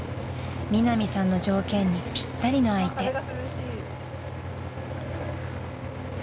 ［ミナミさんの条件にぴったりの相手］